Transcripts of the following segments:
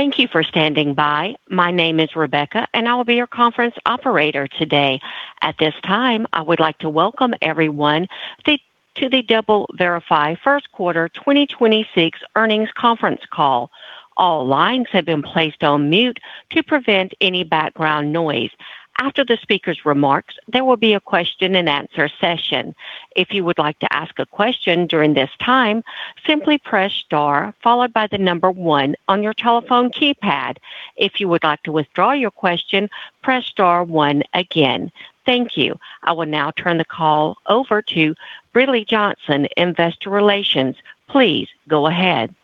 Thank you for standing by. My name is Rebecca, and I will be your conference operator today. At this time, I would like to welcome everyone to the DoubleVerify first quarter 2026 earnings conference call. All lines have been placed on mute to prevent any background noise. After the speaker's remarks, there will be a question and answer session. If you would like to ask a question during this time, simply press star followed by the number one on your telephone keypad. If you would like to withdraw your question, press star one again. Thank you. I will now turn the call over to Brinlea Johnson, Investor Relations. Please go ahead.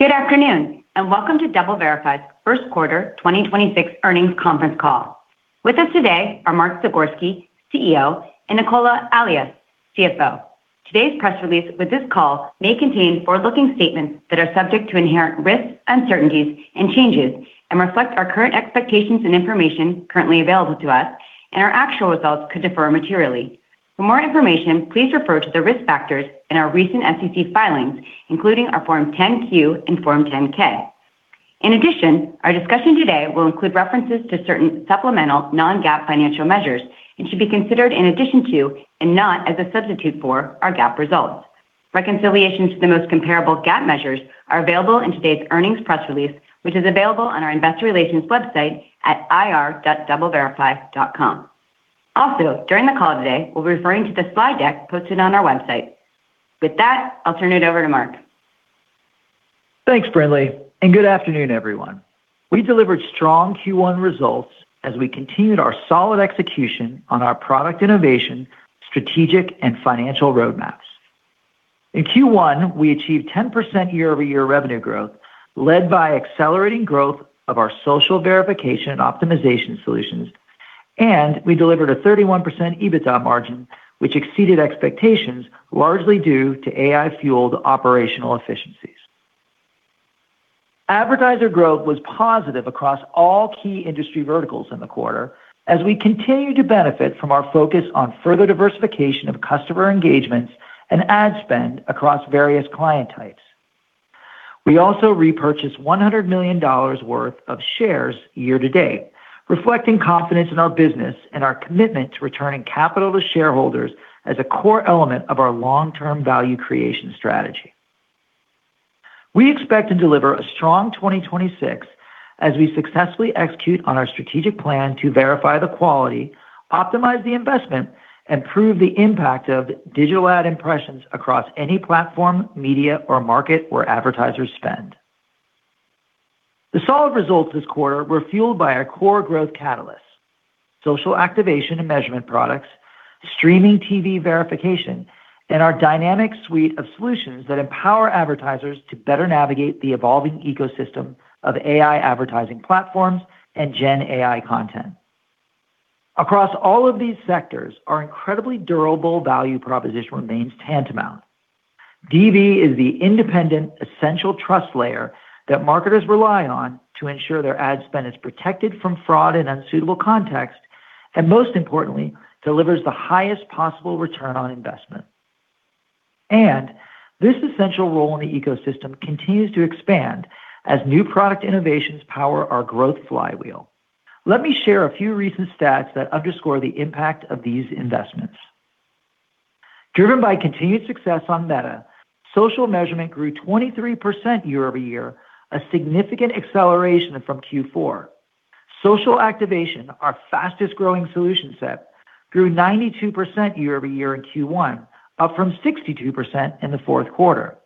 Good afternoon, and welcome to DoubleVerify's first quarter 2026 earnings conference call. With us today are Mark Zagorski, CEO, and Nicola Allais, CFO. Today's press release with this call may contain forward-looking statements that are subject to inherent risks, uncertainties, and changes and reflect our current expectations and information currently available to us, and our actual results could differ materially. For more information, please refer to the risk factors in our recent SEC filings, including our Form 10-Q and Form 10-K. In addition, our discussion today will include references to certain supplemental non-GAAP financial measures and should be considered in addition to and not as a substitute for our GAAP results. Reconciliation to the most comparable GAAP measures are available in today's earnings press release, which is available on our investor relations website at ir.doubleverify.com. During the call today, we'll be referring to the slide deck posted on our website. With that, I'll turn it over to Mark. Thanks, Brinlea, and good afternoon, everyone. We delivered strong Q1 results as we continued our solid execution on our product innovation, strategic, and financial roadmaps. In Q1, we achieved 10% year-over-year revenue growth led by accelerating growth of our social verification and optimization solutions, and we delivered a 31% EBITDA margin, which exceeded expectations largely due to AI-fueled operational efficiencies. Advertiser growth was positive across all key industry verticals in the quarter as we continue to benefit from our focus on further diversification of customer engagements and ad spend across various client types. We also repurchased $100 million worth of shares year-to-date, reflecting confidence in our business and our commitment to returning capital to shareholders as a core element of our long-term value creation strategy. We expect to deliver a strong 2026 as we successfully execute on our strategic plan to verify the quality, optimize the investment, and prove the impact of digital ad impressions across any platform, media, or market where advertisers spend. The solid results this quarter were fueled by our core growth catalysts, social activation and measurement products, streaming TV verification, and our dynamic suite of solutions that empower advertisers to better navigate the evolving ecosystem of AI advertising platforms and gen AI content. Across all of these sectors, our incredibly durable value proposition remains tantamount. DV is the independent, essential trust layer that marketers rely on to ensure their ad spend is protected from fraud and unsuitable context, and most importantly, delivers the highest possible return on investment. This essential role in the ecosystem continues to expand as new product innovations power our growth flywheel. Let me share a few recent stats that underscore the impact of these investments. Driven by continued success on Meta, social measurement grew 23% year-over-year, a significant acceleration from Q4. Social activation, our fastest-growing solution set, grew 92% year-over-year in Q1, up from 62% in the fourth quarter.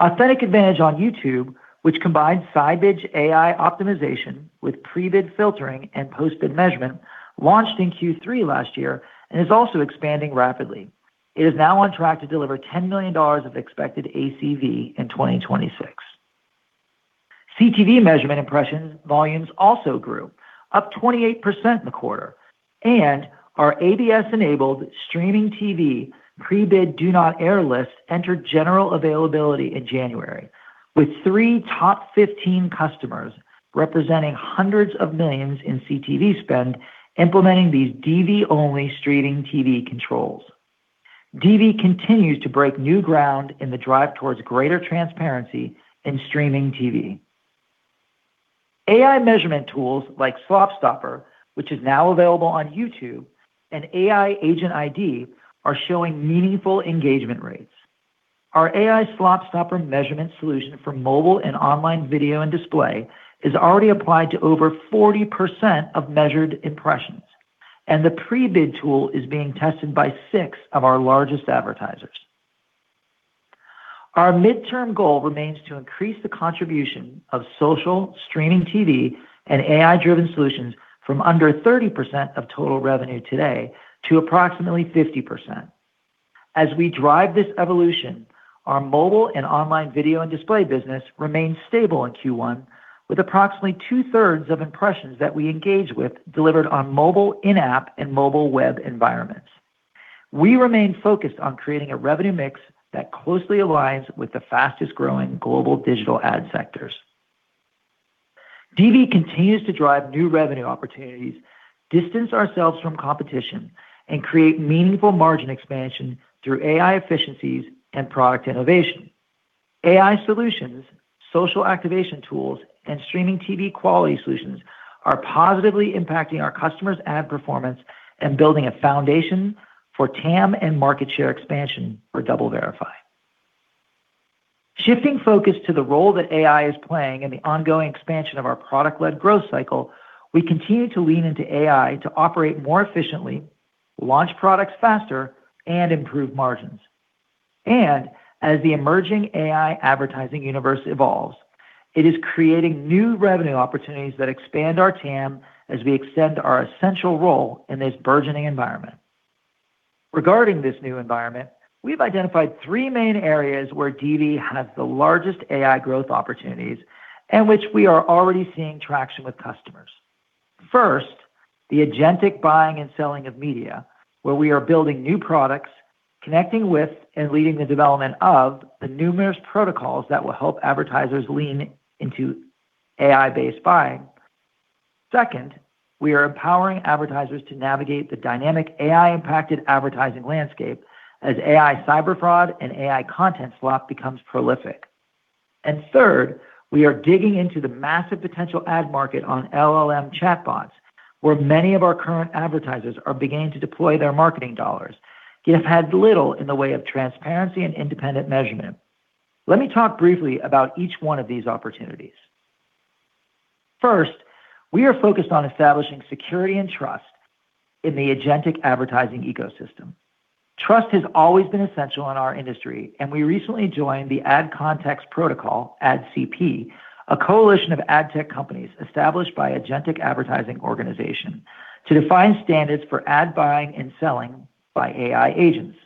DV Authentic AdVantage on YouTube, which combines Scibids AI optimization with pre-bid filtering and post-bid measurement, launched in Q3 last year and is also expanding rapidly. It is now on track to deliver $10 million of expected ACV in 2026. CTV measurement impression volumes also grew, up 28% in the quarter, and our ABS-enabled streaming TV pre-bid do not air list entered general availability in January, with three top 15 customers representing hundreds of millions in CTV spend implementing these DV-only streaming TV controls. DV continues to break new ground in the drive towards greater transparency in streaming TV. AI measurement tools like AI SlopStopper, which is now available on YouTube, and AI Agent ID are showing meaningful engagement rates. Our AI SlopStopper measurement solution for mobile and online video and display is already applied to over 40% of measured impressions, and the pre-bid tool is being tested by six of our largest advertisers. Our midterm goal remains to increase the contribution of social, streaming TV, and AI-driven solutions from under 30% of total revenue today to approximately 50%. As we drive this evolution, our mobile and online video and display business remains stable in Q1, with approximately two-thirds of impressions that we engage with delivered on mobile in-app and mobile web environments. We remain focused on creating a revenue mix that closely aligns with the fastest-growing global digital ad sectors. DV continues to drive new revenue opportunities, distance ourselves from competition, and create meaningful margin expansion through AI efficiencies and product innovation. AI solutions, social activation tools, and streaming TV quality solutions are positively impacting our customers' ad performance and building a foundation for TAM and market share expansion for DoubleVerify. Shifting focus to the role that AI is playing in the ongoing expansion of our product-led growth cycle, we continue to lean into AI to operate more efficiently, launch products faster, and improve margins. As the emerging AI advertising universe evolves, it is creating new revenue opportunities that expand our TAM as we extend our essential role in this burgeoning environment. Regarding this new environment, we've identified three main areas where DV has the largest AI growth opportunities and which we are already seeing traction with customers. First, the agentic buying and selling of media, where we are building new products, connecting with and leading the development of the numerous protocols that will help advertisers lean into AI-based buying. Second, we are empowering advertisers to navigate the dynamic AI-impacted advertising landscape as AI cyber fraud and AI content swap becomes prolific. Third, we are digging into the massive potential ad market on LLM chatbots, where many of our current advertisers are beginning to deploy their marketing dollars, yet have had little in the way of transparency and independent measurement. Let me talk briefly about each one of these opportunities. First, we are focused on establishing security and trust in the agentic advertising ecosystem. Trust has always been essential in our industry, and we recently joined the Ad Context Protocol, AdCP, a coalition of ad tech companies established by AgenticAdvertising.org to define standards for ad buying and selling by AI agents.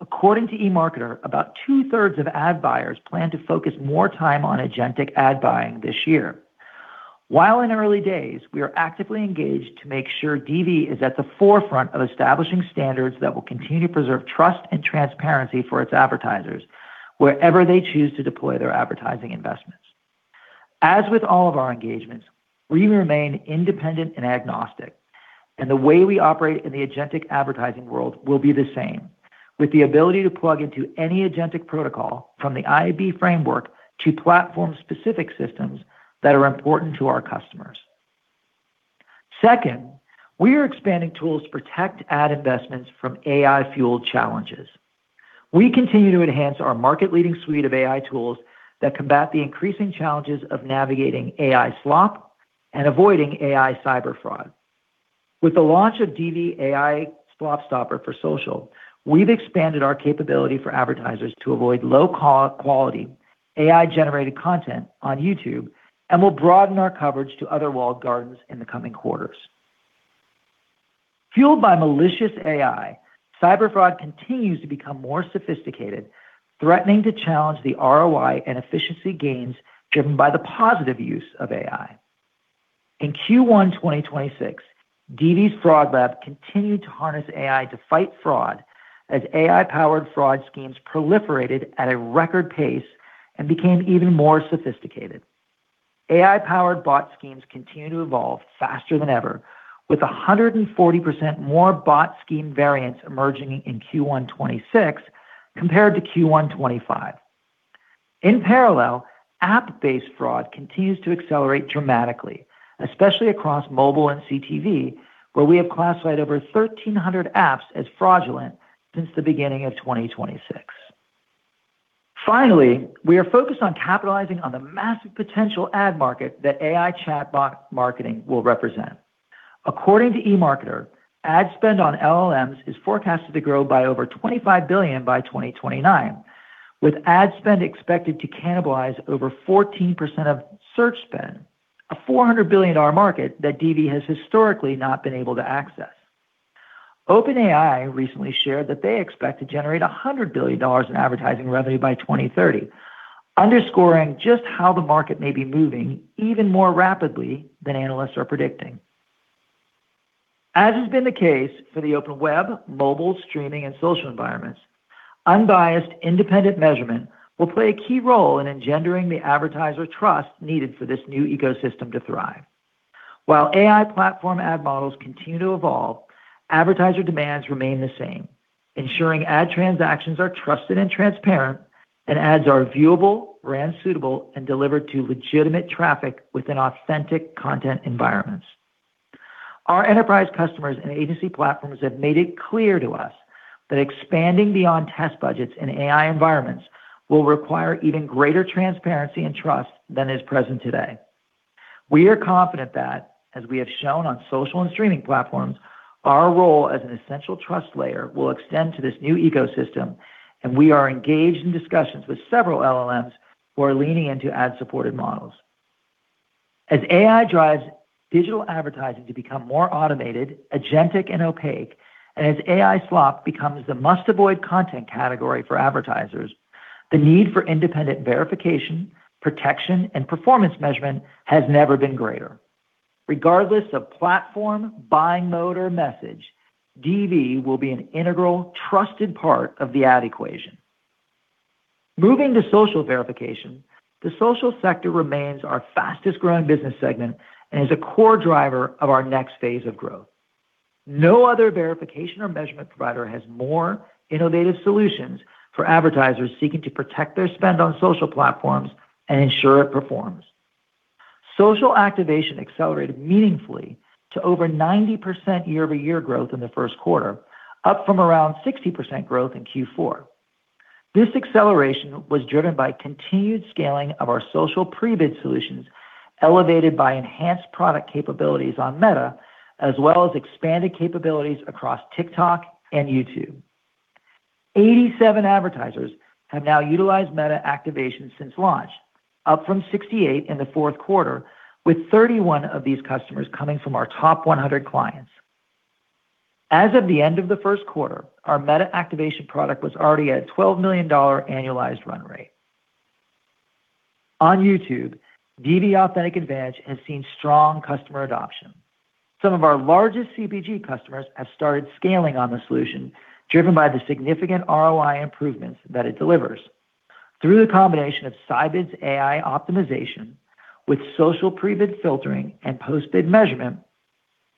According to eMarketer, about two-thirds of ad buyers plan to focus more time on agentic ad buying this year. While in early days, we are actively engaged to make sure DV is at the forefront of establishing standards that will continue to preserve trust and transparency for its advertisers wherever they choose to deploy their advertising investments. As with all of our engagements, we remain independent and agnostic, and the way we operate in the agentic advertising world will be the same, with the ability to plug into any agentic protocol from the IAB framework to platform-specific systems that are important to our customers. We are expanding tools to protect ad investments from AI-fueled challenges. We continue to enhance our market-leading suite of AI tools that combat the increasing challenges of navigating AI slop and avoiding AI cyber fraud. With the launch of DV's AI SlopStopper for social, we've expanded our capability for advertisers to avoid low-quality AI-generated content on YouTube and will broaden our coverage to other walled gardens in the coming quarters. Fueled by malicious AI, cyber fraud continues to become more sophisticated, threatening to challenge the ROI and efficiency gains driven by the positive use of AI. In Q1 2026, DV Fraud Lab continued to harness AI to fight fraud as AI-powered fraud schemes proliferated at a record pace and became even more sophisticated. AI-powered bot schemes continue to evolve faster than ever, with 140% more bot scheme variants emerging in Q1 2026 compared to Q1 2025. In parallel, app-based fraud continues to accelerate dramatically, especially across mobile and CTV, where we have classified over 1,300 apps as fraudulent since the beginning of 2026. Finally, we are focused on capitalizing on the massive potential ad market that AI chatbot marketing will represent. According to eMarketer, ad spend on LLMs is forecasted to grow by over $25 billion by 2029, with ad spend expected to cannibalize over 14% of search spend, a $400 billion market that DV has historically not been able to access. OpenAI recently shared that they expect to generate $100 billion in advertising revenue by 2030, underscoring just how the market may be moving even more rapidly than analysts are predicting. As has been the case for the open web, mobile, streaming, and social environments, unbiased, independent measurement will play a key role in engendering the advertiser trust needed for this new ecosystem to thrive. While AI platform ad models continue to evolve, advertiser demands remain the same, ensuring ad transactions are trusted and transparent and ads are viewable, brand suitable, and delivered to legitimate traffic within authentic content environments. Our enterprise customers and agency platforms have made it clear to us that expanding beyond test budgets in AI environments will require even greater transparency and trust than is present today. We are confident that, as we have shown on social and streaming platforms, our role as an essential trust layer will extend to this new ecosystem, and we are engaged in discussions with several LLMs who are leaning into ad-supported models. As AI drives digital advertising to become more automated, agentic, and opaque, as AI slop becomes the must-avoid content category for advertisers, the need for independent verification, protection, and performance measurement has never been greater. Regardless of platform, buying mode, or message, DV will be an integral, trusted part of the ad equation. Moving to social verification. The social sector remains our fastest-growing business segment and is a core driver of our next phase of growth. No other verification or measurement provider has more innovative solutions for advertisers seeking to protect their spend on social platforms and ensure it performs. Social activation accelerated meaningfully to over 90% year-over-year growth in the first quarter, up from around 60% growth in Q4. This acceleration was driven by continued scaling of our social pre-bid solutions, elevated by enhanced product capabilities on Meta, as well as expanded capabilities across TikTok and YouTube. 87 advertisers have now utilized Meta Activation since launch, up from 68 in the fourth quarter, with 31 of these customers coming from our top 100 clients. As of the end of the first quarter, our Meta Activation product was already at a $12 million annualized run rate. On YouTube, DV Authentic AdVantage has seen strong customer adoption. Some of our largest CPG customers have started scaling on the solution, driven by the significant ROI improvements that it delivers. Through the combination of Scibids AI optimization with social pre-bid filtering and post-bid measurement,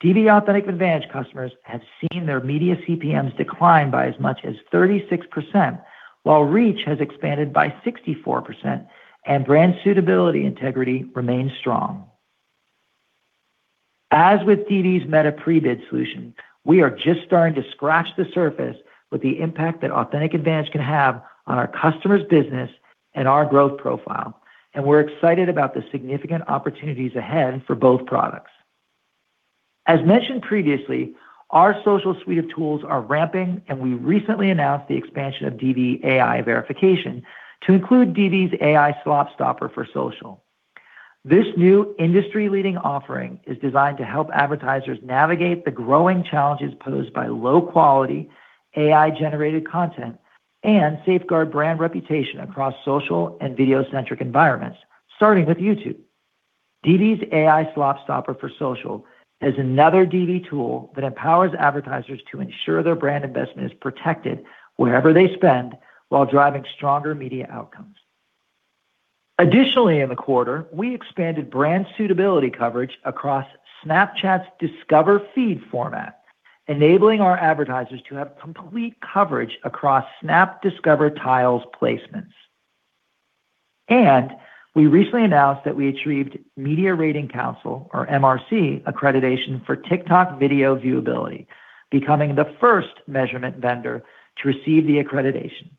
DV Authentic AdVantage customers have seen their media CPMs decline by as much as 36%, while reach has expanded by 64% and brand suitability integrity remains strong. With DV's Meta Prebid solution, we are just starting to scratch the surface with the impact that Authentic AdVantage can have on our customers' business and our growth profile. We're excited about the significant opportunities ahead for both products. As mentioned previously, our social suite of tools are ramping. We recently announced the expansion of DV AI verification to include DV's AI SlopStopper for social. This new industry-leading offering is designed to help advertisers navigate the growing challenges posed by low-quality AI-generated content and safeguard brand reputation across social and video-centric environments, starting with YouTube. DV's AI SlopStopper for social is another DV tool that empowers advertisers to ensure their brand investment is protected wherever they spend while driving stronger media outcomes. In the quarter, we expanded brand suitability coverage across Snapchat's Discover feed format, enabling our advertisers to have complete coverage across Snap Discover tiles placements. We recently announced that we achieved Media Rating Council, or MRC, accreditation for TikTok video viewability, becoming the first measurement vendor to receive the accreditation.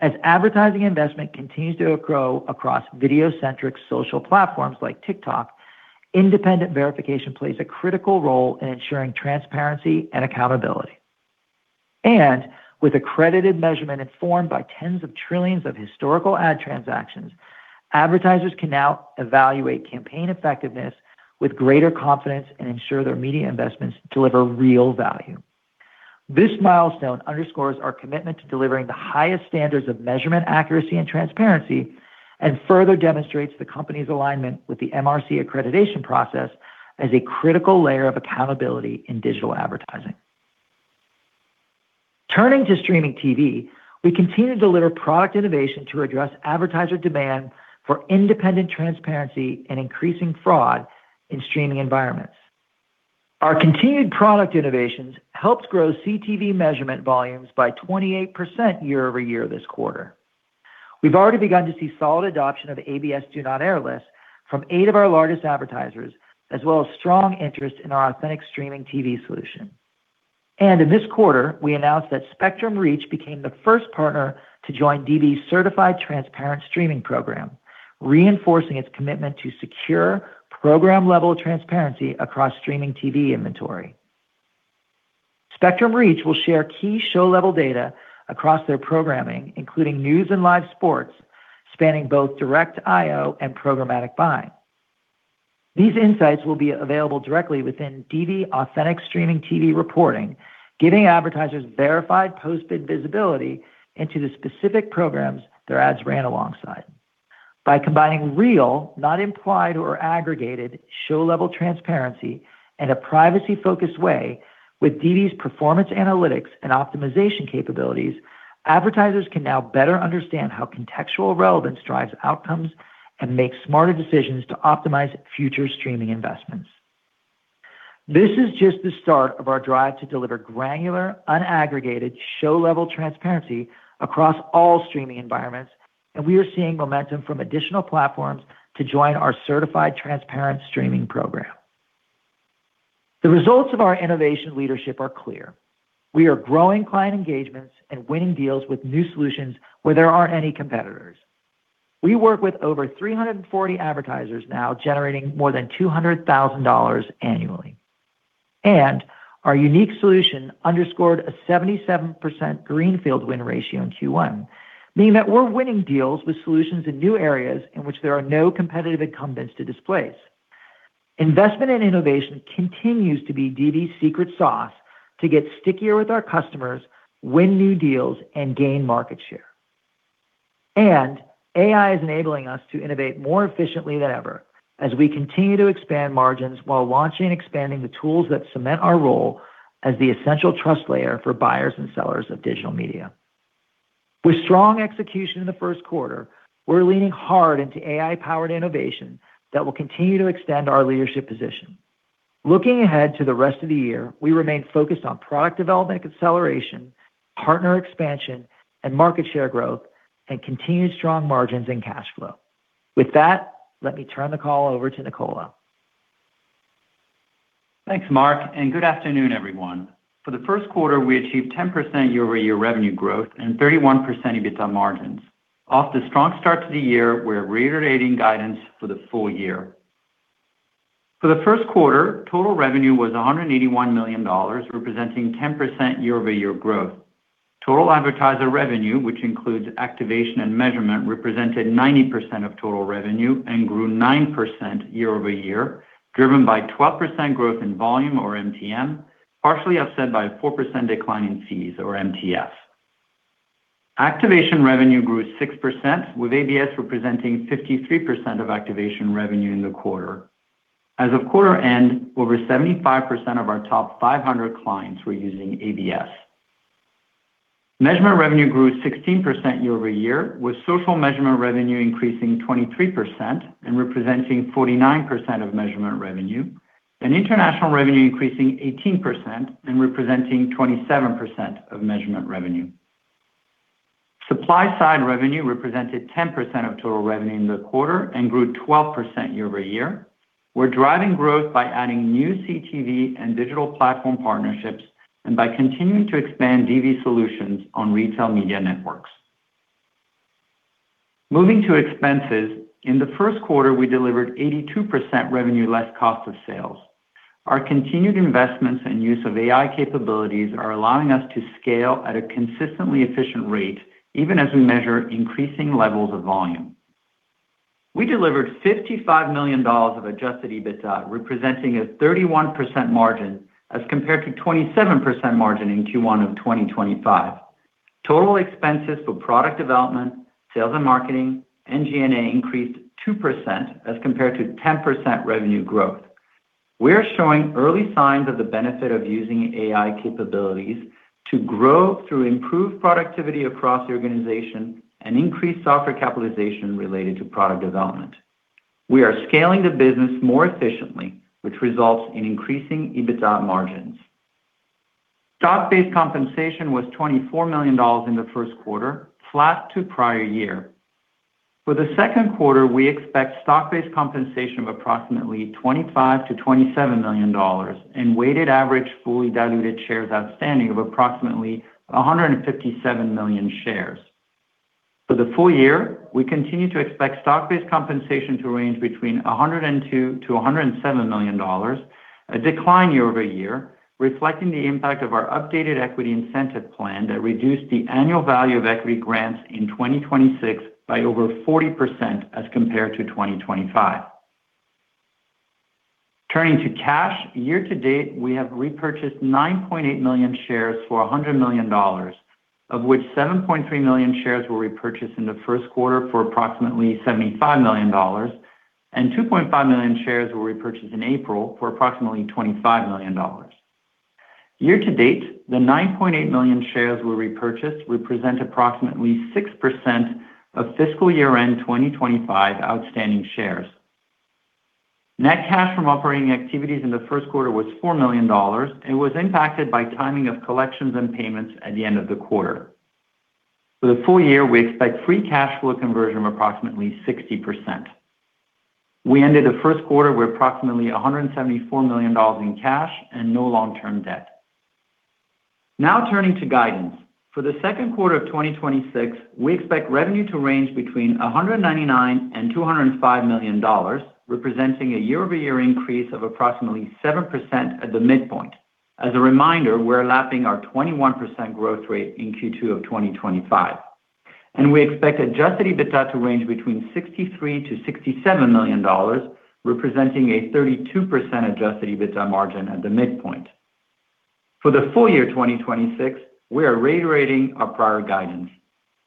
As advertising investment continues to grow across video-centric social platforms like TikTok, independent verification plays a critical role in ensuring transparency and accountability. With accredited measurement informed by tens of trillions of historical ad transactions, advertisers can now evaluate campaign effectiveness with greater confidence and ensure their media investments deliver real value. This milestone underscores our commitment to delivering the highest standards of measurement accuracy and transparency and further demonstrates the company's alignment with the MRC accreditation process as a critical layer of accountability in digital advertising. Turning to streaming TV, we continue to deliver product innovation to address advertiser demand for independent transparency and increasing fraud in streaming environments. Our continued product innovations helped grow CTV measurement volumes by 28% year-over-year this quarter. We've already begun to see solid adoption of ABS do not air lists from eight of our largest advertisers, as well as strong interest in our Authentic Streaming TV solution. In this quarter, we announced that Spectrum Reach became the first partner to join DV's Certified Transparent Streaming program, reinforcing its commitment to secure program-level transparency across streaming TV inventory. Spectrum Reach will share key show-level data across their programming, including news and live sports, spanning both direct IO and programmatic buying. These insights will be available directly within DV Authentic Streaming TV reporting, giving advertisers verified post-bid visibility into the specific programs their ads ran alongside. By combining real, not implied or aggregated, show-level transparency in a privacy-focused way with DV's performance analytics and optimization capabilities, advertisers can now better understand how contextual relevance drives outcomes and make smarter decisions to optimize future streaming investments. This is just the start of our drive to deliver granular, unaggregated, show-level transparency across all streaming environments, and we are seeing momentum from additional platforms to join our Certified Transparent Streaming program. The results of our innovation leadership are clear. We are growing client engagements and winning deals with new solutions where there aren't any competitors. We work with over 340 advertisers now generating more than $200,000 annually. Our unique solution underscored a 77% greenfield win ratio in Q1, meaning that we're winning deals with solutions in new areas in which there are no competitive incumbents to displace. Investment in innovation continues to be DV's secret sauce to get stickier with our customers, win new deals, and gain market share. AI is enabling us to innovate more efficiently than ever as we continue to expand margins while launching and expanding the tools that cement our role as the essential trust layer for buyers and sellers of digital media. With strong execution in the first quarter, we're leaning hard into AI-powered innovation that will continue to extend our leadership position. Looking ahead to the rest of the year, we remain focused on product development acceleration, partner expansion, and market share growth, and continued strong margins and cash flow. With that, let me turn the call over to Nicola. Thanks, Mark, and good afternoon, everyone. For the first quarter, we achieved 10% year-over-year revenue growth and 31% EBITDA margins. Off to strong start to the year, we're reiterating guidance for the full year. For the first quarter, total revenue was $181 million, representing 10% year-over-year growth. Total advertiser revenue, which includes activation and measurement, represented 90% of total revenue and grew 9% year-over-year, driven by 12% growth in volume or MTM, partially offset by a 4% decline in fees or MTF. Activation revenue grew 6%, with ABS representing 53% of activation revenue in the quarter. As of quarter end, over 75% of our top 500 clients were using ABS. Measurement revenue grew 16% year-over-year, with social measurement revenue increasing 23% and representing 49% of measurement revenue, and international revenue increasing 18% and representing 27% of measurement revenue. Supply side revenue represented 10% of total revenue in the quarter and grew 12% year-over-year. We're driving growth by adding new CTV and digital platform partnerships and by continuing to expand DV solutions on retail media networks. Moving to expenses. In the first quarter, we delivered 82% revenue less cost of sales. Our continued investments and use of AI capabilities are allowing us to scale at a consistently efficient rate, even as we measure increasing levels of volume. We delivered $55 million of adjusted EBITDA, representing a 31% margin as compared to 27% margin in Q1 of 2025. Total expenses for product development, sales and marketing, and G&A increased 2% as compared to 10% revenue growth. We are showing early signs of the benefit of using AI capabilities to grow through improved productivity across the organization and increase software capitalization related to product development. We are scaling the business more efficiently, which results in increasing EBITDA margins. Stock-based compensation was $24 million in the first quarter, flat to prior year. For the second quarter, we expect stock-based compensation of approximately $25 million-$27 million and weighted average fully diluted shares outstanding of approximately 157 million shares. For the full year, we continue to expect stock-based compensation to range between $102 million-$107 million, a decline year-over-year, reflecting the impact of our updated equity incentive plan that reduced the annual value of equity grants in 2026 by over 40% as compared to 2025. Turning to cash. Year to date, we have repurchased 9.8 million shares for $100 million, of which 7.3 million shares were repurchased in the first quarter for approximately $75 million and 2.5 million shares were repurchased in April for approximately $25 million. Year to date, the 9.8 million shares were repurchased represent approximately 6% of fiscal year end 2025 outstanding shares. Net cash from operating activities in the first quarter was $4 million and was impacted by timing of collections and payments at the end of the quarter. For the full year, we expect free cash flow conversion of approximately 60%. We ended the first quarter with approximately $174 million in cash and no long-term debt. Now turning to guidance. For the second quarter of 2026, we expect revenue to range between $199 million-$205 million, representing a year-over-year increase of approximately 7% at the midpoint. As a reminder, we're lapping our 21% growth rate in Q2 of 2025, and we expect adjusted EBITDA to range between $63 million-$67 million, representing a 32% adjusted EBITDA margin at the midpoint. For the full year 2026, we are reiterating our prior guidance.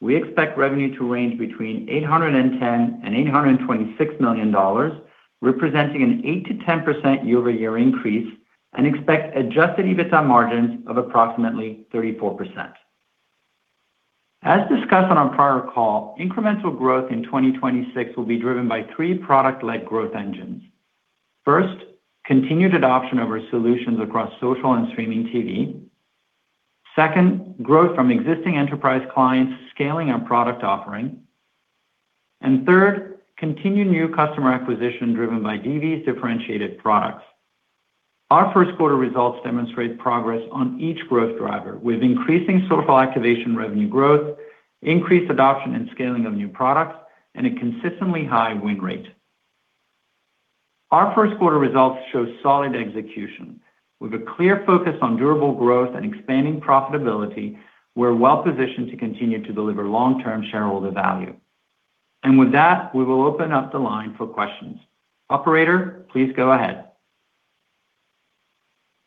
We expect revenue to range between $810 million and $826 million, representing an 8%-10% year-over-year increase, and expect adjusted EBITDA margins of approximately 34%. As discussed on our prior call, incremental growth in 2026 will be driven by three product-led growth engines. First, continued adoption of our solutions across social and streaming TV. Second, growth from existing enterprise clients scaling our product offering. Third, continued new customer acquisition driven by DV's differentiated products. Our first quarter results demonstrate progress on each growth driver with increasing social activation revenue growth, increased adoption and scaling of new products, and a consistently high win rate. Our first quarter results show solid execution. With a clear focus on durable growth and expanding profitability, we're well-positioned to continue to deliver long-term shareholder value. With that, we will open up the line for questions. Operator, please go ahead.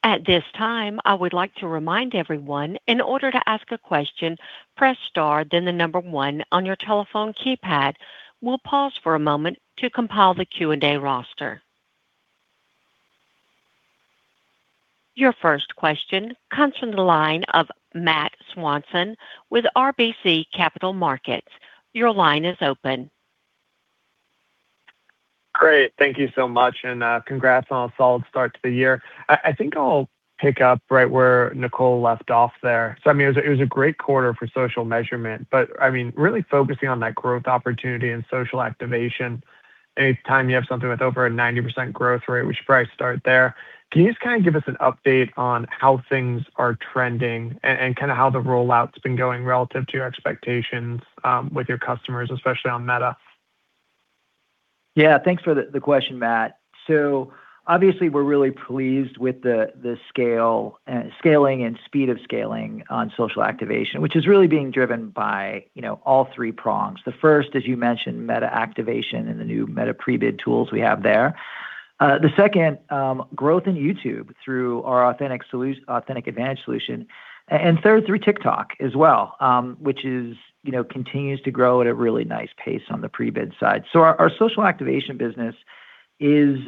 At this time, I would like to remind everyone in order to ask a question, press star and then the number one on your telephone keypad. We'll pause for a moment to compile the Q&A roster. Your first question comes from the line of Matt Swanson with RBC Capital Markets. Your line is open. Great. Thank you so much. Congrats on a solid start to the year. I think I'll pick up right where Nicola left off there. I mean, it was a great quarter for social measurement, but I mean, really focusing on that growth opportunity and social activation, anytime you have something with over a 90% growth rate, we should probably start there. Can you just kind of give us an update on how things are trending and kinda how the rollout's been going relative to your expectations with your customers, especially on Meta? Yeah. Thanks for the question, Matt. Obviously we're really pleased with the scale, scaling and speed of scaling on social activation, which is really being driven by, you know, all three prongs. The first, as you mentioned, Meta Activation and the new Meta Prebid tools we have there. The second, growth in YouTube through our Authentic AdVantage solution. Third, through TikTok as well, which is, you know, continues to grow at a really nice pace on the pre-bid side. Our social activation business is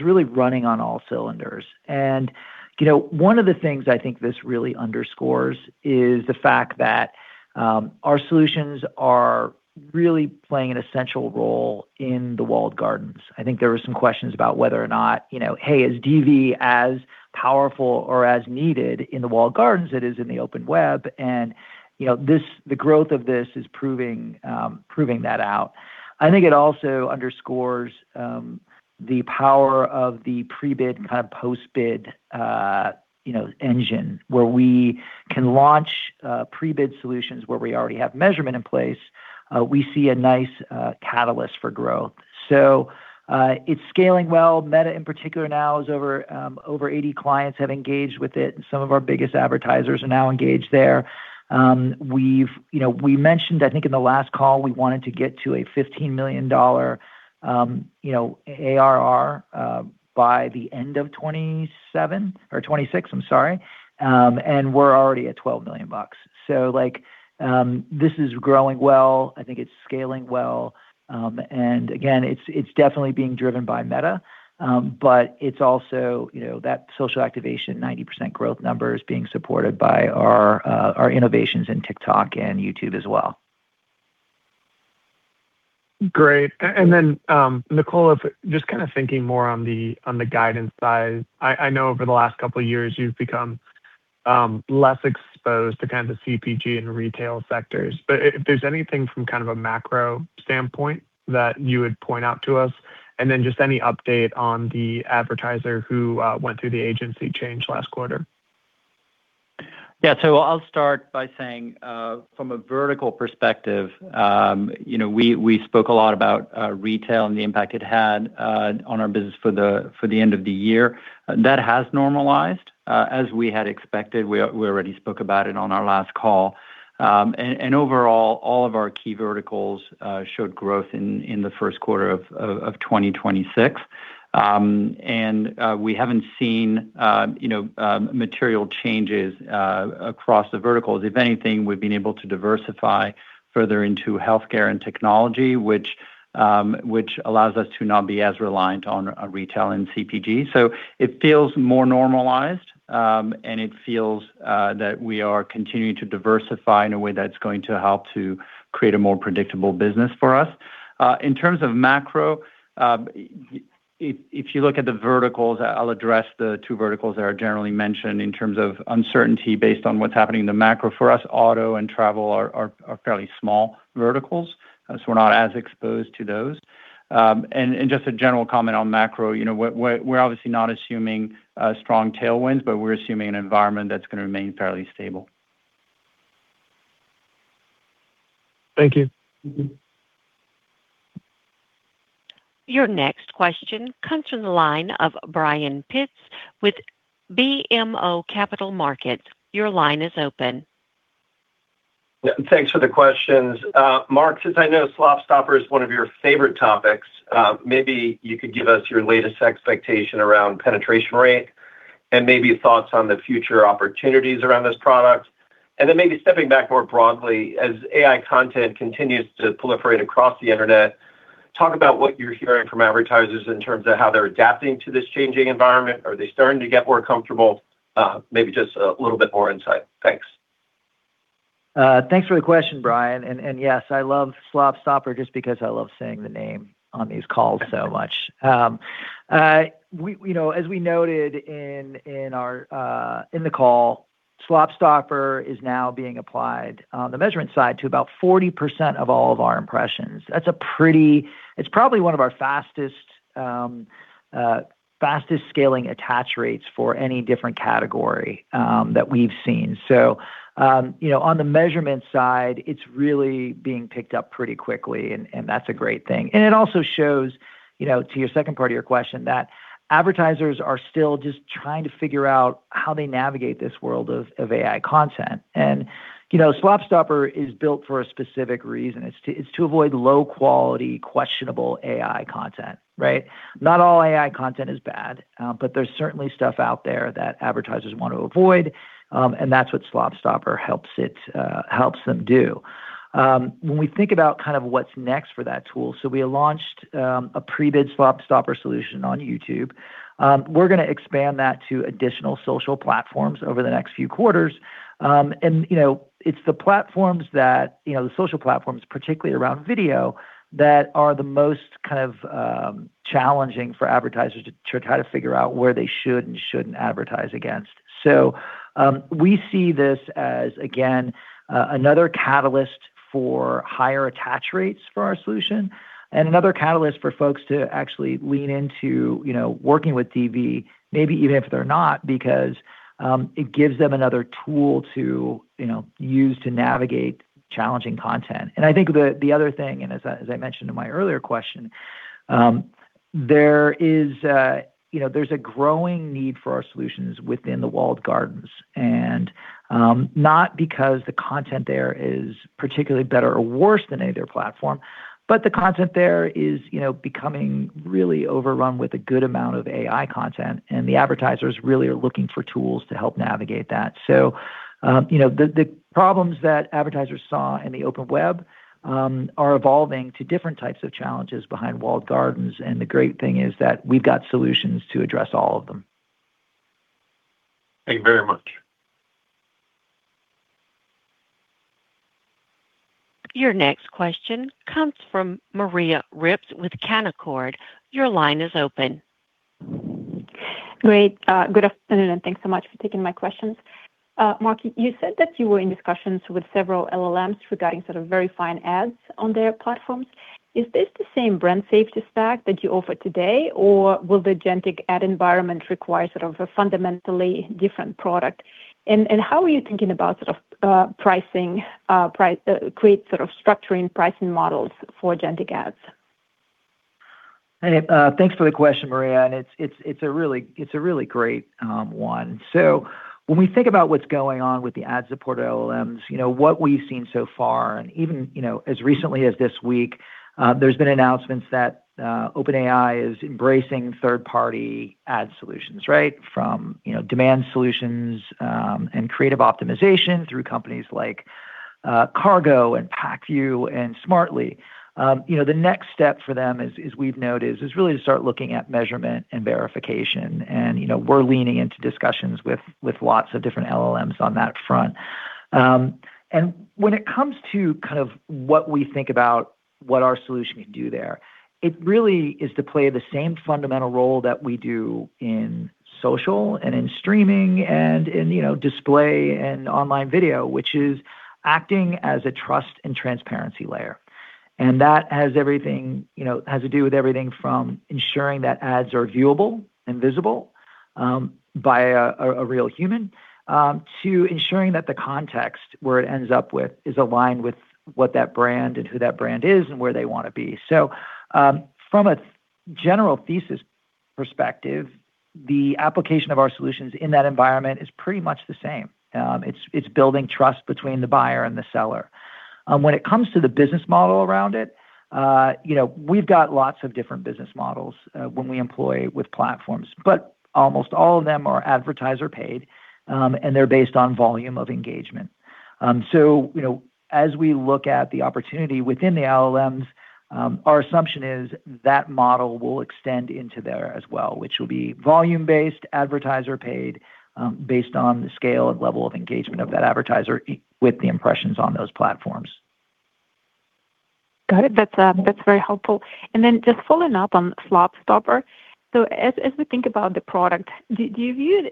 really running on all cylinders. You know, one of the things I think this really underscores is the fact that our solutions are really playing an essential role in the walled gardens. I think there were some questions about whether or not, you know, hey, is DV as powerful or as needed in the walled gardens as it is in the open web? You know, this, the growth of this is proving proving that out. I think it also underscores the power of the pre-bid kind of post-bid, you know, engine, where we can launch pre-bid solutions where we already have measurement in place. We see a nice catalyst for growth. It's scaling well. Meta in particular now is over 80 clients have engaged with it, and some of our biggest advertisers are now engaged there. We've You know, we mentioned, I think in the last call, we wanted to get to a $15 million, you know, ARR by the end of 2027 or 2026, I'm sorry. We're already at $12 million. Like, this is growing well. I think it's scaling well. Again, it's definitely being driven by Meta. It's also, you know, that social activation 90% growth number is being supported by our innovations in TikTok and YouTube as well. Great. Nicola, just kind of thinking more on the guidance side. I know over the last couple years you've become less exposed to kind of the CPG and retail sectors. If there's anything from kind of a macro standpoint that you would point out to us, and then just any update on the advertiser who went through the agency change last quarter. Yeah. I'll start by saying, from a vertical perspective, you know, we spoke a lot about retail and the impact it had on our business for the end of the year. That has normalized as we had expected. We already spoke about it on our last call. Overall, all of our key verticals showed growth in the first quarter of 2026. We haven't seen, you know, material changes across the verticals. If anything, we've been able to diversify further into healthcare and technology, which allows us to not be as reliant on retail and CPG. It feels more normalized, and it feels that we are continuing to diversify in a way that's going to help to create a more predictable business for us. In terms of macro, if you look at the two verticals, I'll address the two verticals that are generally mentioned in terms of uncertainty based on what's happening in the macro. For us, auto and travel are fairly small verticals, so we're not as exposed to those. And just a general comment on macro, you know, we're obviously not assuming strong tailwinds, but we're assuming an environment that's gonna remain fairly stable. Thank you. Your next question comes from the line of Brian Pitz with BMO Capital Markets. Your line is open. Yeah. Thanks for the questions. Mark, since I know SlopStopper is one of your favorite topics, maybe you could give us your latest expectation around penetration rate and maybe thoughts on the future opportunities around this product. Then maybe stepping back more broadly, as AI content continues to proliferate across the internet, talk about what you're hearing from advertisers in terms of how they're adapting to this changing environment. Are they starting to get more comfortable? Maybe just a little bit more insight. Thanks. Thanks for the question, Brian. Yes, I love SlopStopper just because I love saying the name on these calls so much. We, you know, as we noted in our, in the call, SlopStopper is now being applied on the measurement side to about 40% of all of our impressions. It's probably one of our fastest scaling attach rates for any different category that we've seen. You know, on the measurement side, it's really being picked up pretty quickly and that's a great thing. It also shows, you know, to your second part of your question, that advertisers are still just trying to figure out how they navigate this world of AI content. You know, SlopStopper is built for a specific reason. It's to avoid low-quality, questionable AI content, right? Not all AI content is bad, but there's certainly stuff out there that advertisers want to avoid, and that's what SlopStopper helps them do. When we think about kind of what's next for that tool, so we launched a pre-bid SlopStopper solution on YouTube. We're gonna expand that to additional social platforms over the next few quarters. You know, it's the platforms that, you know, the social platforms, particularly around video, that are the most kind of challenging for advertisers to try to figure out where they should and shouldn't advertise against. We see this as, again, another catalyst for higher attach rates for our solution and another catalyst for folks to actually lean into, you know, working with DV, maybe even if they're not, because it gives them another tool to, you know, use to navigate challenging content. I think the other thing, as I mentioned in my earlier question, there is, you know, there's a growing need for our solutions within the walled gardens, and not because the content there is particularly better or worse than any other platform, but the content there is, you know, becoming really overrun with a good amount of AI content, and the advertisers really are looking for tools to help navigate that. You know, the problems that advertisers saw in the open web, are evolving to different types of challenges behind walled gardens, and the great thing is that we've got solutions to address all of them. Thank you very much. Your next question comes from Maria Ripps with Canaccord. Your line is open. Great. Good afternoon, and thanks so much for taking my questions. Mark, you said that you were in discussions with several LLMs regarding sort of verifying ads on their platforms. Is this the same brand safety stack that you offer today, or will the agentic ad environment require sort of a fundamentally different product? How are you thinking about sort of pricing, create sort of structuring pricing models for agentic ads? Thanks for the question, Maria, and it's a really great one. When we think about what's going on with the ad-supported LLMs, you know, what we've seen so far, and even, you know, as recently as this week, there's been announcements that OpenAI is embracing third-party ad solutions, right? From, you know, demand solutions, and creative optimization through companies like Kargo and Pacvue and Smartly. You know, the next step for them as we've noted is really to start looking at measurement and verification. You know, we're leaning into discussions with lots of different LLMs on that front. When it comes to kind of what we think about what our solution can do there, it really is to play the same fundamental role that we do in social and in streaming and in, you know, display and online video, which is acting as a trust and transparency layer. That has everything, you know, has to do with everything from ensuring that ads are viewable and visible by a real human to ensuring that the context where it ends up with is aligned with what that brand and who that brand is and where they want to be. From a general thesis perspective, the application of our solutions in that environment is pretty much the same. It's building trust between the buyer and the seller. When it comes to the business model around it, you know, we've got lots of different business models when we employ with platforms, but almost all of them are advertiser-paid, and they're based on volume of engagement. As we look at the opportunity within the LLMs, our assumption is that model will extend into there as well, which will be volume-based, advertiser-paid, based on the scale and level of engagement of that advertiser with the impressions on those platforms. Got it. That's, that's very helpful. Then just following up on SlopStopper. As we think about the product, do you view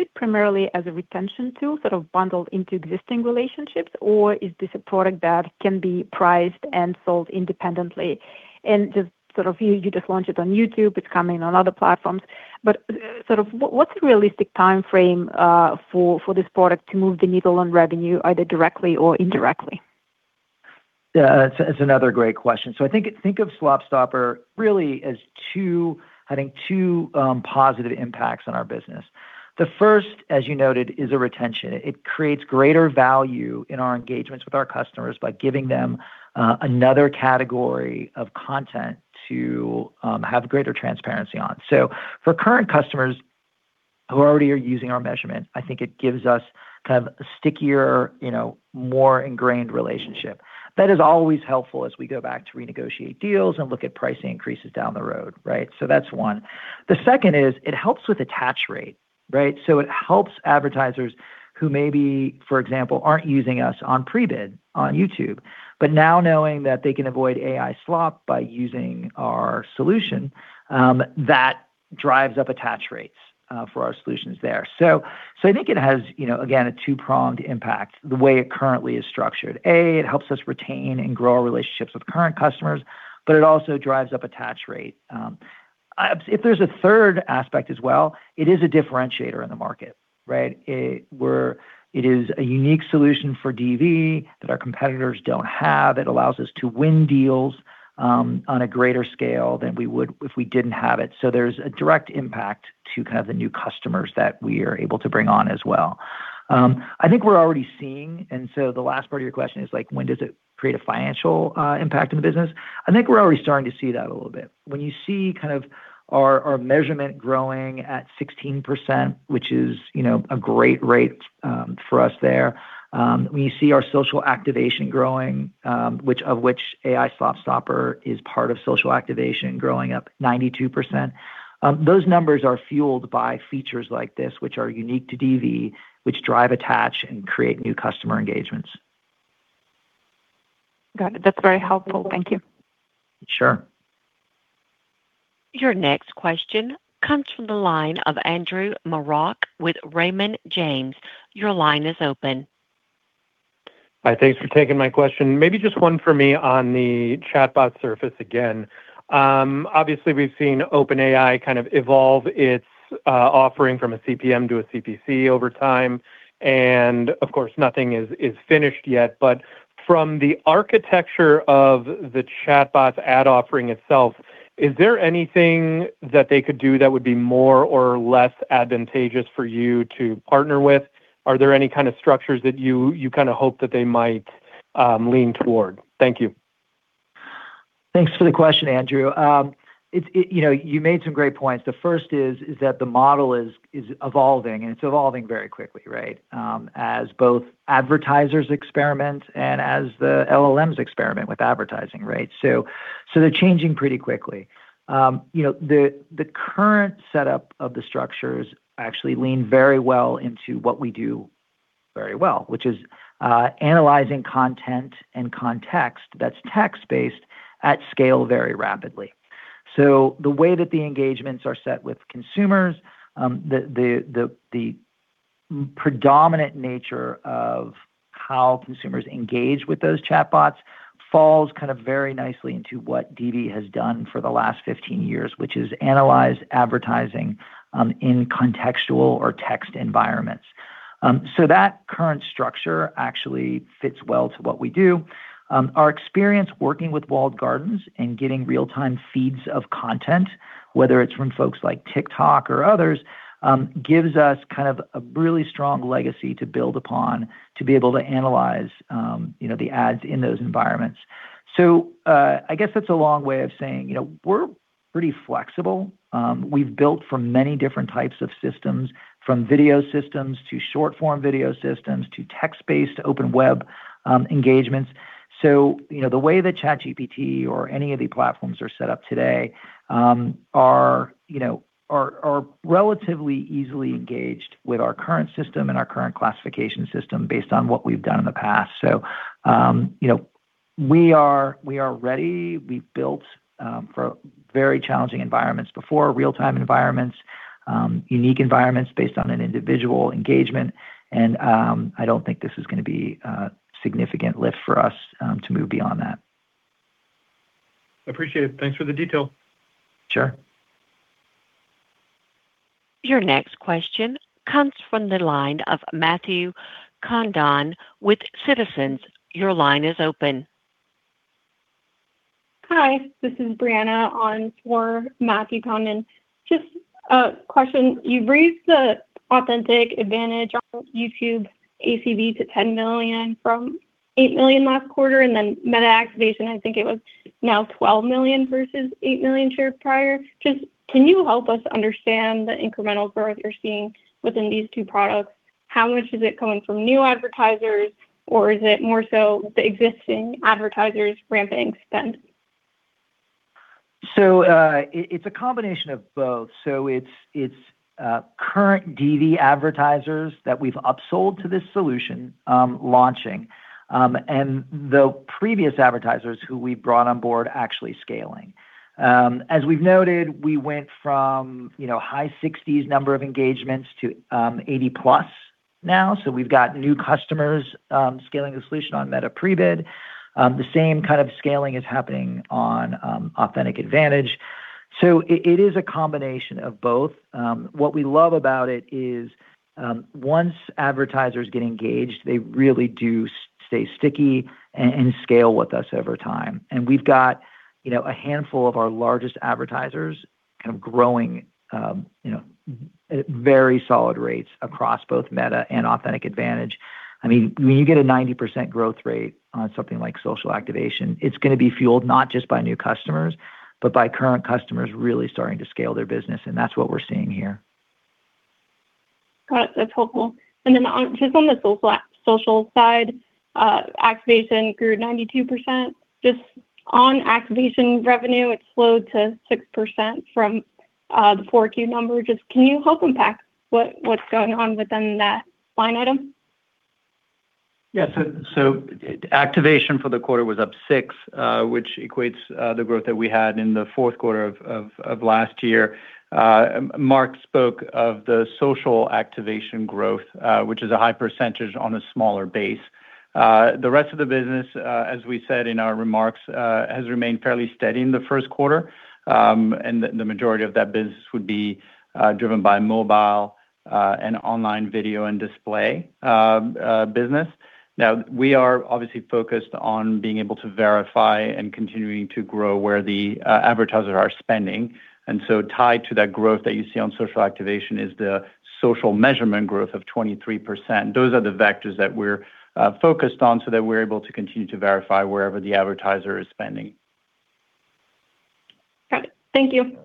it primarily as a retention tool sort of bundled into existing relationships, or is this a product that can be priced and sold independently and just sort of you just launch it on YouTube, it's coming on other platforms? Sort of what's a realistic timeframe for this product to move the needle on revenue either directly or indirectly? Yeah. That's another great question. I think of SlopStopper really as two positive impacts on our business. The first, as you noted, is a retention. It creates greater value in our engagements with our customers by giving them another category of content to have greater transparency on. For current customers who already are using our measurement, I think it gives us kind of a stickier, you know, more ingrained relationship. That is always helpful as we go back to renegotiate deals and look at pricing increases down the road, right? That's one. The second is it helps with attach rate, right? It helps advertisers who maybe, for example, aren't using us on pre-bid on YouTube, but now knowing that they can avoid AI slop by using our solution, that drives up attach rates for our solutions there. I think it has, you know, again, a two-pronged impact the way it currently is structured. A, it helps us retain and grow our relationships with current customers, but it also drives up attach rate. If there's a third aspect as well, it is a differentiator in the market, right? It is a unique solution for DV that our competitors don't have. It allows us to win deals on a greater scale than we would if we didn't have it. There's a direct impact to kind of the new customers that we are able to bring on as well. I think we're already seeing, the last part of your question is, like, when does it create a financial impact in the business? I think we're already starting to see that a little bit. When you see kind of our measurement growing at 16%, which is, you know, a great rate, for us there. When you see our social activation growing, which AI SlopStopper is part of social activation growing up 92%. Those numbers are fueled by features like this, which are unique to DV, which drive attach and create new customer engagements. Got it. That's very helpful. Thank you. Sure. Your next question comes from the line of Andrew Marok with Raymond James. Your line is open. Hi. Thanks for taking my question. Maybe just one for me on the chatbot surface again. Obviously we've seen OpenAI kind of evolve its offering from a CPM to a CPC over time. Of course nothing is finished yet. From the architecture of the chatbot's ad offering itself, is there anything that they could do that would be more or less advantageous for you to partner with? Are there any kind of structures that you kind of hope that they might lean toward? Thank you. Thanks for the question, Andrew. You know, you made some great points. The first is that the model is evolving, and it's evolving very quickly, right? As both advertisers experiment and as the LLMs experiment with advertising, right? They're changing pretty quickly. You know, the current setup of the structures actually lean very well into what we do very well, which is analyzing content and context that's text-based at scale very rapidly. The way that the engagements are set with consumers, the predominant nature of how consumers engage with those chatbots falls kind of very nicely into what DV has done for the last 15 years, which is analyze advertising in contextual or text environments. That current structure actually fits well to what we do. Our experience working with walled gardens and getting real-time feeds of content, whether it's from folks like TikTok or others, gives us kind of a really strong legacy to build upon to be able to analyze, you know, the ads in those environments. I guess that's a long way of saying, you know, we're pretty flexible. We've built for many different types of systems, from video systems to short-form video systems to text-based open web, engagements. You know, the way that ChatGPT or any of the platforms are set up today, are, you know, relatively easily engaged with our current system and our current classification system based on what we've done in the past. You know, we are ready. We built, for very challenging environments before, real-time environments, unique environments based on an individual engagement, and, I don't think this is gonna be a significant lift for us, to move beyond that. Appreciate it. Thanks for the detail. Sure. Your next question comes from the line of Matthew Condon with Citizens. Your line is open. Hi. This is Brianna on for Matthew Condon. Just a question. You've raised the Authentic AdVantage on YouTube ACV to $10 million from $8 million last quarter. Meta Activation, I think it was now $12 million versus $8 million shares prior. Can you help us understand the incremental growth you're seeing within these two products? How much is it coming from new advertisers, or is it more so the existing advertisers ramping spend? It's a combination of both. It's current DV advertisers that we've upsold to this solution, launching, and the previous advertisers who we brought on board actually scaling. As we've noted, we went from, you know, high 60s number of engagements to 80+ now. We've got new customers scaling the solution on Meta Prebid. The same kind of scaling is happening on Authentic AdVantage. It is a combination of both. What we love about it is once advertisers get engaged, they really do stay sticky and scale with us over time. We've got, you know, a handful of our largest advertisers kind of growing, you know, at very solid rates across both Meta and Authentic AdVantage. I mean, when you get a 90% growth rate on something like social activation, it's gonna be fueled not just by new customers, but by current customers really starting to scale their business, and that's what we're seeing here. Got it. That's helpful. Just on the social side, activation grew 92%. Just on activation revenue, it slowed to 6% from the 4Q number. Just can you help unpack what's going on within that line item? Activation for the quarter was up 6%, which equates the growth that we had in the fourth quarter of last year. Mark spoke of the social activation growth, which is a high percentage on a smaller base. The rest of the business, as we said in our remarks, has remained fairly steady in the first quarter. The majority of that business would be driven by mobile and online video and display business. Now we are obviously focused on being able to verify and continuing to grow where the advertisers are spending. Tied to that growth that you see on social activation is the social measurement growth of 23%. Those are the vectors that we're focused on so that we're able to continue to verify wherever the advertiser is spending. Got it. Thank you.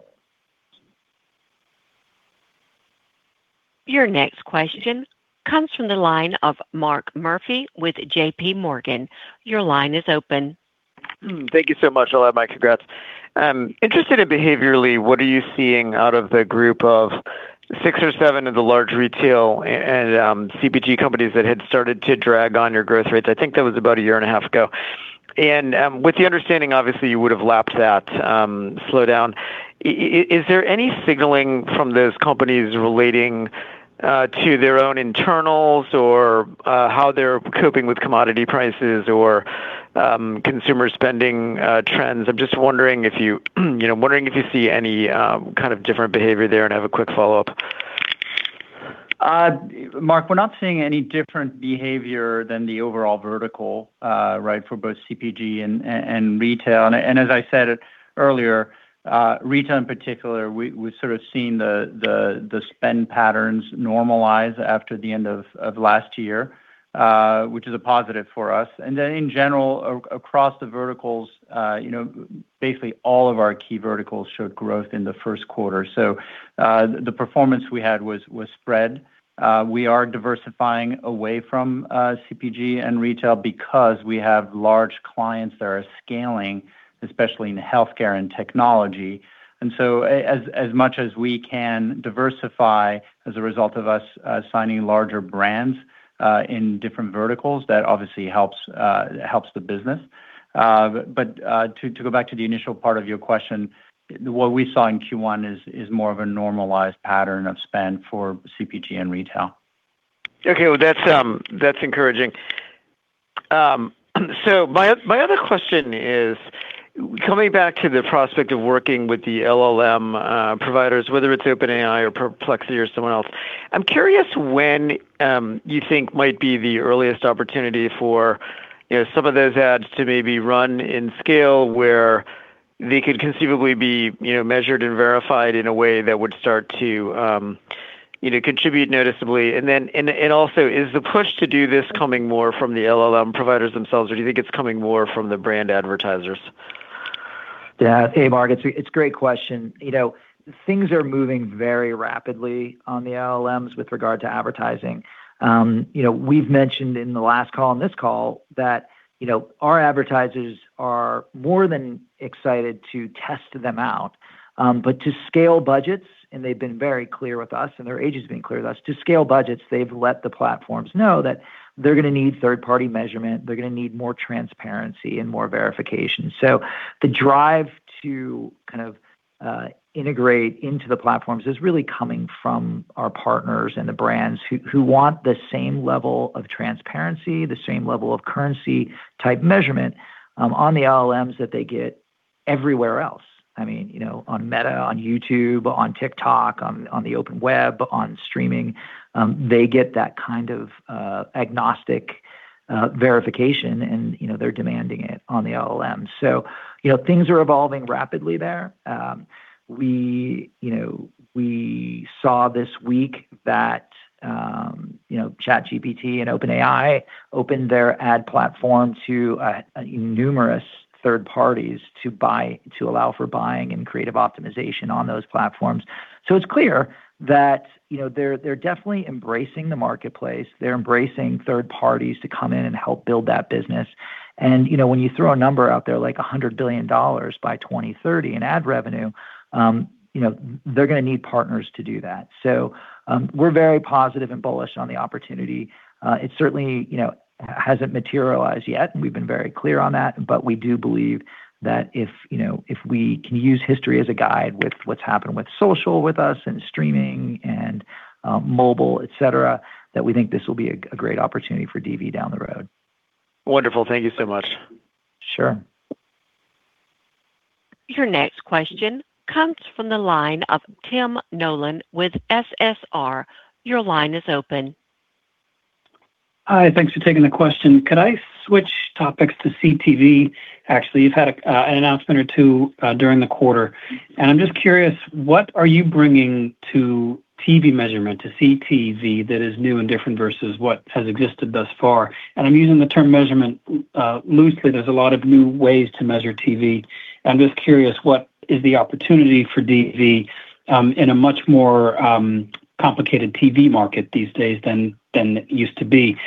Your next question comes from the line of Mark Murphy with JPMorgan. Your line is open. Thank you so much. I'll have my congrats. Interested in behaviorally, what are you seeing out of the group of six or seven of the large retail and CPG companies that had started to drag on your growth rates? I think that was about a year and a half years ago. With the understanding, obviously you would've lapped that slowdown. Is there any signaling from those companies relating to their own internals or how they're coping with commodity prices or consumer spending trends? I'm just wondering if you know, wondering if you see any kind of different behavior there and have a quick follow-up. Mark, we're not seeing any different behavior than the overall vertical, for both CPG and retail. As I said it earlier, retail in particular, we're sort of seeing the spend patterns normalize after the end of last year, which is a positive for us. In general, across the verticals, you know, basically all of our key verticals showed growth in the first quarter. The performance we had was spread. We are diversifying away from CPG and retail because we have large clients that are scaling, especially in healthcare and technology. As much as we can diversify as a result of us signing larger brands in different verticals, that obviously helps the business. To go back to the initial part of your question, what we saw in Q1 is more of a normalized pattern of spend for CPG and retail. Okay. Well, that's encouraging. My other question is, coming back to the prospect of working with the LLM providers, whether it's OpenAI or Perplexity or someone else, I'm curious when you think might be the earliest opportunity for, you know, some of those ads to maybe run in scale where they could conceivably be, you know, measured and verified in a way that would start to, you know, contribute noticeably. Is the push to do this coming more from the LLM providers themselves, or do you think it's coming more from the brand advertisers? Yeah. Hey, Mark. It's a great question. You know, things are moving very rapidly on the LLMs with regard to advertising. You know, we've mentioned in the last call and this call that, you know, our advertisers are more than excited to test them out. To scale budgets, and they've been very clear with us and their agents have been clear with us, to scale budgets, they've let the platforms know that they're gonna need third-party measurement. They're gonna need more transparency and more verification. The drive to kind of integrate into the platforms is really coming from our partners and the brands who want the same level of transparency, the same level of currency type measurement on the LLMs that they get everywhere else. I mean, you know, on Meta, on YouTube, on TikTok, on the open web, on streaming. They get that kind of agnostic verification and, you know, they're demanding it on the LLMs. You know, things are evolving rapidly there. We, you know, we saw this week that, you know, ChatGPT and OpenAI opened their ad platform to numerous third parties to allow for buying and creative optimization on those platforms. It's clear that, you know, they're definitely embracing the marketplace. They're embracing third parties to come in and help build that business. You know, when you throw a number out there, like $100 billion by 2030 in ad revenue, you know, they're gonna need partners to do that. We're very positive and bullish on the opportunity. It certainly, you know, hasn't materialized yet, we've been very clear on that. We do believe that if, you know, if we can use history as a guide with what's happened with social with us and streaming and mobile, et cetera, that we think this will be a great opportunity for DV down the road. Wonderful. Thank you so much. Sure. Your next question comes from the line of Tim Nollen with SSR. Your line is open. Hi. Thanks for taking the question. Could I switch topics to CTV, actually? You've had an announcement or two during the quarter. I'm just curious, what are you bringing to TV measurement, to CTV, that is new and different versus what has existed thus far? I'm using the term measurement loosely. There's a lot of new ways to measure TV. I'm just curious, what is the opportunity for DV in a much more complicated TV market these days than it used to be?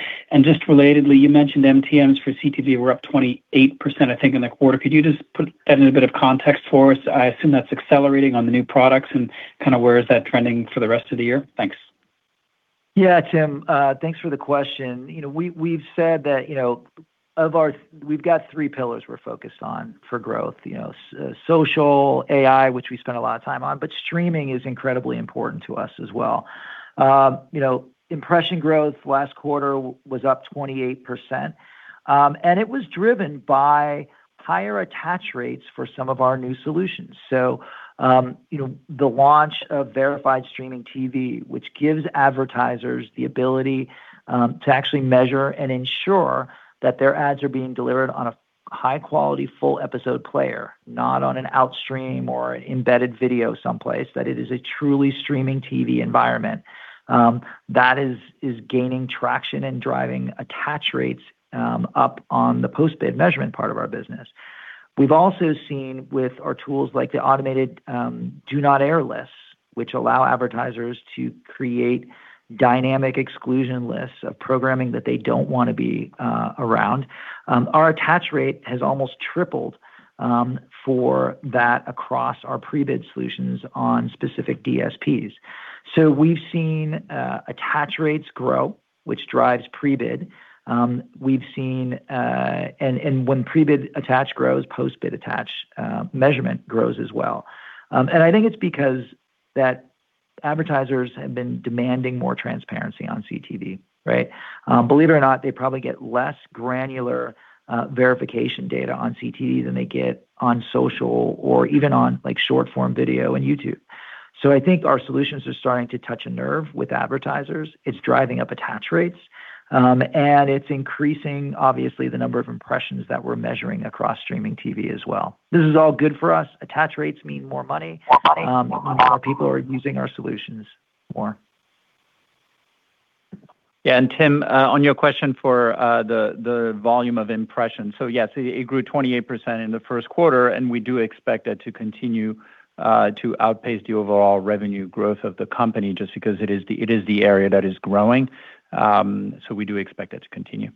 Just relatedly, you mentioned MTMs for CTV were up 28%, I think, in the quarter. Could you just put that in a bit of context for us? I assume that's accelerating on the new products and kind of where is that trending for the rest of the year? Thanks. Tim, thanks for the question. We've said that of our We've got three pillars we're focused on for growth, social, AI, which we spend a lot of time on, but streaming is incredibly important to us as well. Impression growth last quarter was up 28%. It was driven by higher attach rates for some of our new solutions. The launch of verified streaming TV, which gives advertisers the ability to actually measure and ensure that their ads are being delivered on a high-quality full episode player, not on an outstream or an embedded video someplace, that it is a truly streaming TV environment. That is gaining traction and driving attach rates up on the post-bid measurement part of our business. We've also seen with our tools like the automated do not air lists, which allow advertisers to create dynamic exclusion lists of programming that they don't wanna be around. Our attach rate has almost tripled for that across our pre-bid solutions on specific DSPs. We've seen attach rates grow, which drives pre-bid. We've seen. When pre-bid attach grows, post-bid attach measurement grows as well. I think it's because that advertisers have been demanding more transparency on CTV, right? Believe it or not, they probably get less granular verification data on CTV than they get on social or even on, like, short-form video and YouTube. I think our solutions are starting to touch a nerve with advertisers. It's driving up attach rates, and it's increasing, obviously, the number of impressions that we're measuring across streaming TV as well. This is all good for us. Attach rates mean more money, more people are using our solutions more. Tim, on your question for the volume of impressions. Yes, it grew 28% in the first quarter, and we do expect it to continue to outpace the overall revenue growth of the company just because it is the area that is growing. We do expect that to continue.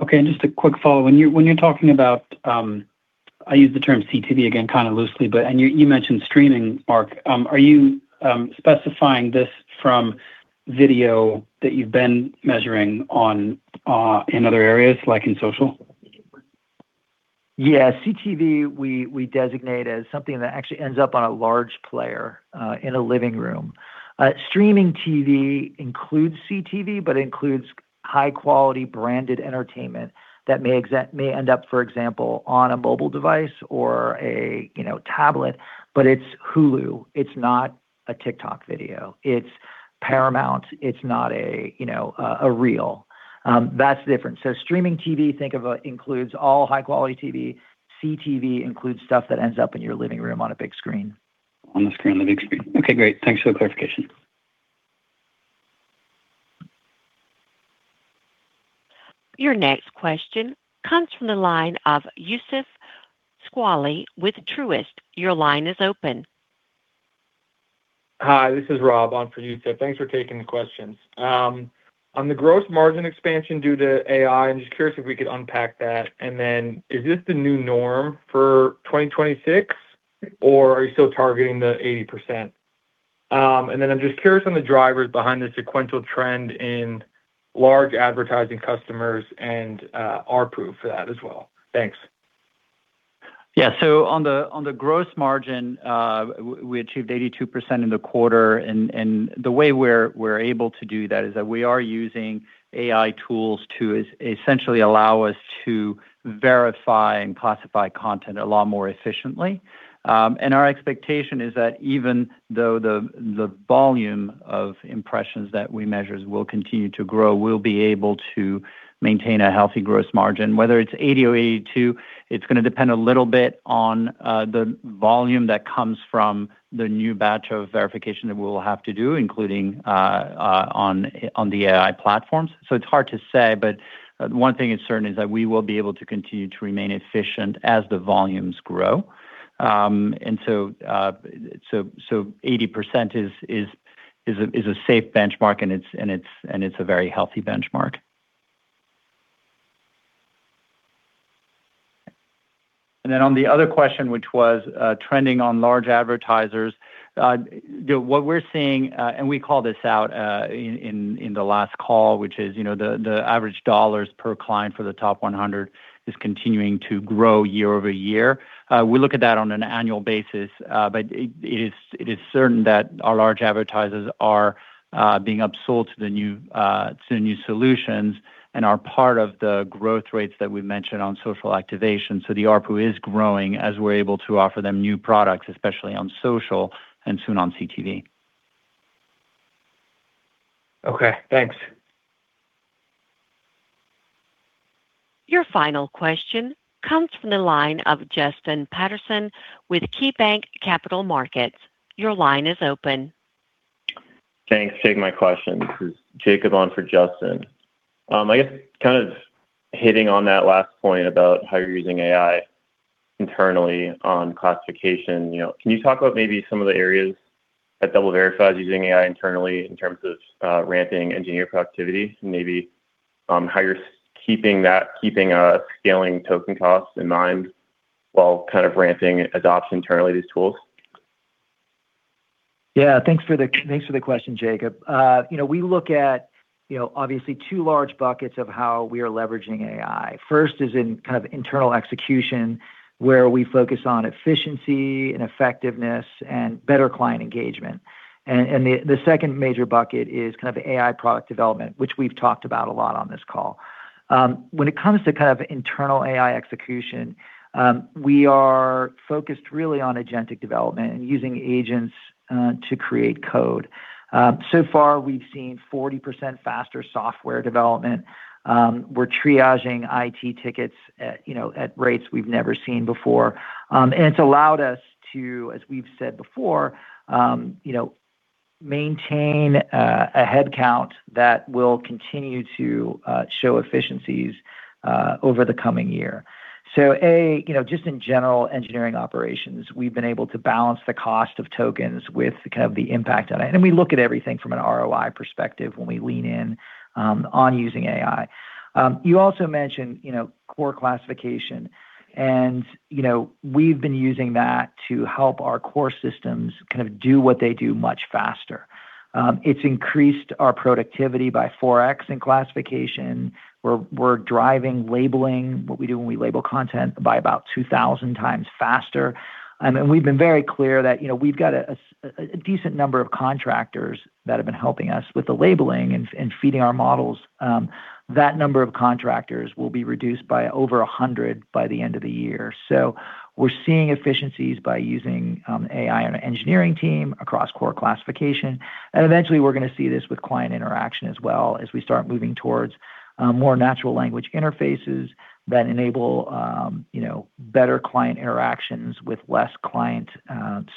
Okay. Just a quick follow. When you're talking about, I use the term CTV again, kind of loosely. You mentioned streaming, Mark. Are you specifying this from video that you've been measuring on in other areas like in social? Yeah. CTV, we designate as something that actually ends up on a large player in a living room. Streaming TV includes CTV, but includes high-quality branded entertainment that may end up, for example, on a mobile device or a, you know, tablet, but it's Hulu. It's not a TikTok video. It's Paramount. It's not a, you know, a Reel. That's the difference. Streaming TV, think of, includes all high-quality TV. CTV includes stuff that ends up in your living room on a big screen. On the screen, the big screen. Okay, great. Thanks for the clarification. Your next question comes from the line of Youssef Squali with Truist. Your line is open. Hi, this is Rob on for Youssef. Thanks for taking the questions. On the gross margin expansion due to AI, I'm just curious if we could unpack that. Is this the new norm for 2026, or are you still targeting the 80%? I'm just curious on the drivers behind the sequential trend in large advertising customers and ARPU for that as well. Thanks. Yeah. On the gross margin, we achieved 82% in the quarter. And the way we're able to do that is that we are using AI tools to essentially allow us to verify and classify content a lot more efficiently. Our expectation is that even though the volume of impressions that we measure will continue to grow, we'll be able to maintain a healthy gross margin. Whether it's 80% or 82%, it's going to depend a little bit on the volume that comes from the new batch of verification that we'll have to do, including on the AI platforms. It's hard to say, but one thing is certain is that we will be able to continue to remain efficient as the volumes grow. 80% is a safe benchmark, and it's a very healthy benchmark. On the other question, which was trending on large advertisers, what we're seeing, and we called this out in the last call, which is, you know, the average dollars per client for the top 100 is continuing to grow year-over-year. We look at that on an annual basis, but it is certain that our large advertisers are being upsold to the new solutions and are part of the growth rates that we mentioned on social activation. The ARPU is growing as we're able to offer them new products, especially on social and soon on CTV. Okay, thanks. Your final question comes from the line of Justin Patterson with KeyBanc Capital Markets. Your line is open. Thanks. Taking my question. This is Jacob on for Justin. I guess kind of hitting on that last point about how you're using AI internally on classification, you know, can you talk about maybe some of the areas that DoubleVerify is using AI internally in terms of ramping engineer productivity and maybe how you're keeping that scaling token costs in mind while kind of ramping adoption internally these tools? Yeah. Thanks for the question, Jacob. You know, we look at, you know, obviously two large buckets of how we are leveraging AI. First is in kind of internal execution where we focus on efficiency and effectiveness and better client engagement. The second major bucket is kind of AI product development, which we've talked about a lot on this call. When it comes to kind of internal AI execution, we are focused really on agentic development and using agents to create code. So far we've seen 40% faster software development. We're triaging IT tickets at, you know, at rates we've never seen before. It's allowed us to, as we've said before, you know, maintain a headcount that will continue to show efficiencies over the coming year. A, you know, just in general engineering operations, we've been able to balance the cost of tokens with kind of the impact on it. We look at everything from an ROI perspective when we lean in on using AI. You also mentioned, you know, core classification and, you know, we've been using that to help our core systems kind of do what they do much faster. It's increased our productivity by 4x in classification. We're driving labeling, what we do when we label content, by about 2,000 times faster. We've been very clear that, you know, we've got a decent number of contractors that have been helping us with the labeling and feeding our models. That number of contractors will be reduced by over 100 by the end of the year. We're seeing efficiencies by using AI on an engineering team across core classification. Eventually we're gonna see this with client interaction as well as we start moving towards more natural language interfaces that enable, you know, better client interactions with less client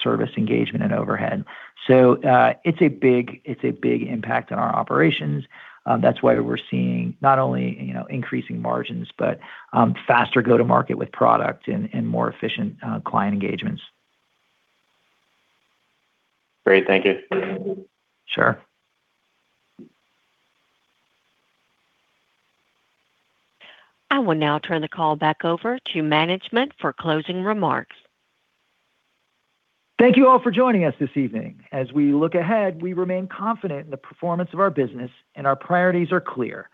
service engagement and overhead. It's a big impact on our operations. That's why we're seeing not only, you know, increasing margins, but faster go-to-market with product and more efficient client engagements. Great. Thank you. Sure. I will now turn the call back over to management for closing remarks. Thank you all for joining us this evening. As we look ahead, we remain confident in the performance of our business and our priorities are clear.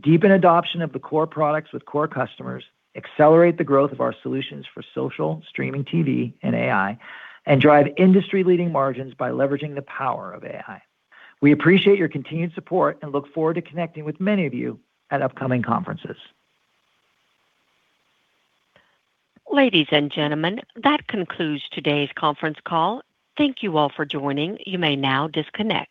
Deepen adoption of the core products with core customers, accelerate the growth of our solutions for social, streaming TV and AI, and drive industry-leading margins by leveraging the power of AI. We appreciate your continued support and look forward to connecting with many of you at upcoming conferences. Ladies and gentlemen, that concludes today's conference call. Thank you all for joining. You may now disconnect.